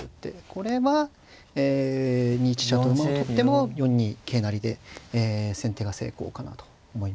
これは２一飛車と馬を取っても４二桂成で先手が成功かなと思いますね。